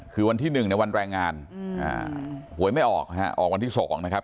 คือวันที่หนึ่งในวันแรงงานอืมอ่าหวยไม่ออกฮะออกวันที่สองนะครับ